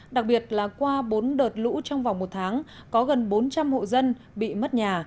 đặc biệt là qua bốn đợt lũ trong vòng một tháng có gần bốn trăm linh hộ dân bị mất nhà